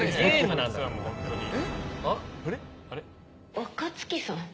若月さん？